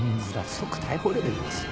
即逮捕レベルですよ。